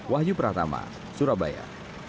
wahyu pratama surabaya